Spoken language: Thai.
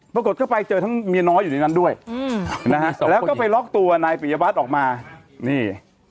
ปรากฏก็ไปเจอทั้งเมียน้อยอยู่ในนั้นด้วยอืมนะฮะแล้วก็ไปล็อกตัวนายปิยวัตรออกมานี่